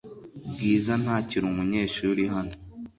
Bwiza ntakiri umunyeshuri hano .